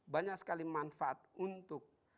banyak sekali manfaat untuk